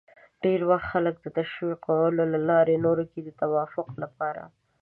ډېری وخت خلک د تشویقولو له لارې نورو کې د توافق لپاره